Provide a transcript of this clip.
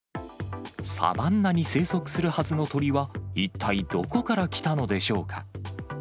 サバンナに生息するはずの鳥は、一体どこから来たのでしょうか。